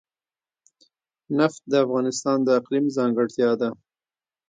نفت د افغانستان د اقلیم ځانګړتیا ده.